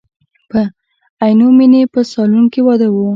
په عینومیني په سالون کې واده و.